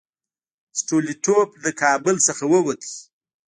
سټولیټوف له کابل څخه ووت.